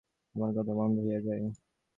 তোমার কথা বন্ধ হইয়া যায়।